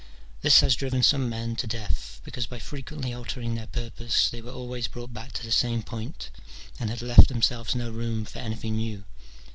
This has driven some men to death, because by frequently altering their purpose they were always brought back to the same point, and had left themselves no room for anything new.